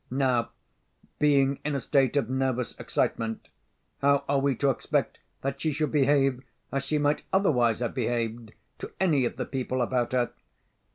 Now, being in a state of nervous excitement, how are we to expect that she should behave as she might otherwise have behaved to any of the people about her?